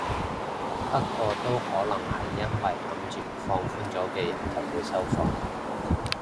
不過都可能係因為諗住放寬咗啲人就會收貨